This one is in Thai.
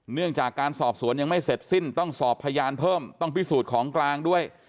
เนื่องจากการสอบสวนยังไม่เสร็จสิ้นต้องสอบพยานเพิ่มต้องพิสูจน์ของกลางด้วย